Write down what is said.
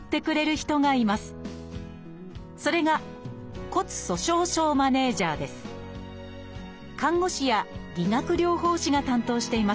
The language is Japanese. それが看護師や理学療法士が担当しています